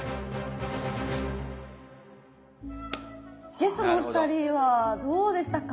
ゲストのお二人はどうでしたか？